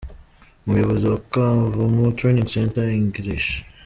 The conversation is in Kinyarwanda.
Umuyobozi wa Kavumu Training Center, Eng.